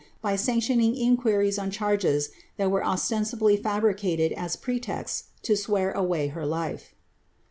by sanctioning inquiries on charges that were ostensibly fabricated as pretexts to swear away her life.